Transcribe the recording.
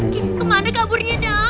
gimana kaburnya dam